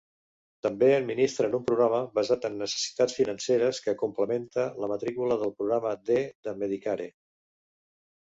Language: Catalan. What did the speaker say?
També administren un programa basat en necessitats financeres que complementa la matrícula del programa D de Medicare.